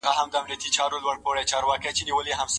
د مېرمني تهديدوونکی شخص ډېر بد انسان دی.